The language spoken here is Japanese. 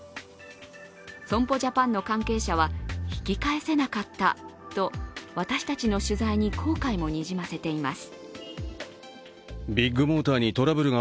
損保ジャパンの関係者は、引き返せなかったと私たちの取材に後悔もにじませています。